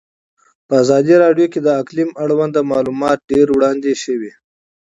په ازادي راډیو کې د اقلیم اړوند معلومات ډېر وړاندې شوي.